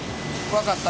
分かった。